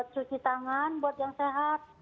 cuci tangan buat yang sehat